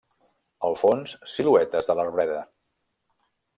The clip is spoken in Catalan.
Al fons, siluetes de l'arbreda.